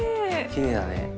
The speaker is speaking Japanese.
きれいだね。